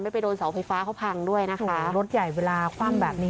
ไปโดนเสาไฟฟ้าเขาพังด้วยนะคะรถใหญ่เวลาคว่ำแบบนี้